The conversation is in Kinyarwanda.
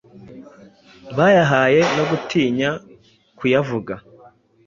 bayahaye, no gutinya kuyavuga